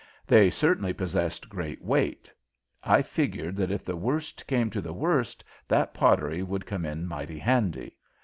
They certainly possessed great weight. I figured that if the worst came to the worst that pottery would come in mighty handy.